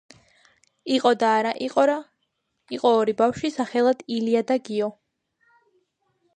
იყო და არა იყო რა იყო ორი ბავშვი სახელად ილია და გიო